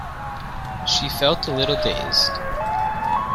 She felt a little dazed.